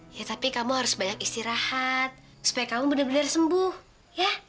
ya tapi kamu harus banyak istirahat supaya kamu benar benar sembuh ya